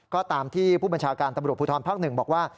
ก็ตามที่ผู้บัญชาการตำรวจภูทรภาค๑บอกว่า